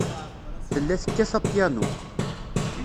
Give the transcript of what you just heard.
Tella tekkat apyanu.